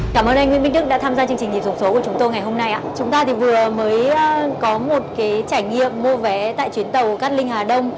chúng ta vừa mới có một trải nghiệm mua vé tại chuyến tàu cát linh hà đông